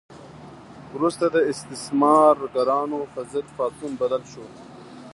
وروسته د استثمارګرانو په ضد پاڅون بدل شو.